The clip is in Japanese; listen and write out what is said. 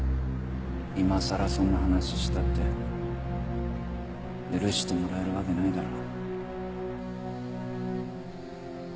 今さらそんな話したって許してもらえるわけないだろ。